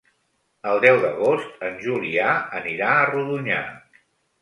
El deu d'agost en Julià anirà a Rodonyà.